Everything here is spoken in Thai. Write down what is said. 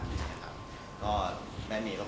แม่เมย์ก็เป็นหนึ่งในคนที่เต็มที่มาก